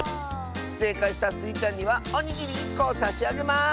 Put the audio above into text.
せいかいしたスイちゃんにはおにぎり１こをさしあげます！